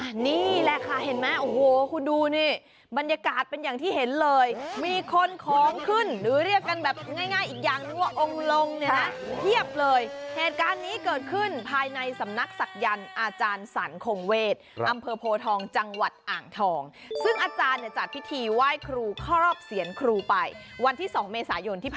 อันนี้แหละค่ะเห็นไหมโอ้โหคุณดูนี่บรรยากาศเป็นอย่างที่เห็นเลยมีคนของขึ้นหรือเรียกกันแบบง่ายง่ายอีกอย่างนึงว่าองค์ลงเนี่ยฮะเพียบเลยเหตุการณ์นี้เกิดขึ้นภายในสำนักศักยันต์อาจารย์สรรคงเวศอำเภอโพทองจังหวัดอ่างทองซึ่งอาจารย์เนี่ยจัดพิธีไหว้ครูครอบเสียนครูไปวันที่๒เมษายนที่พ